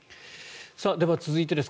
では、続いてです。